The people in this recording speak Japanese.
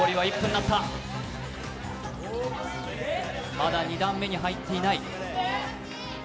まだ２段目に入っていない。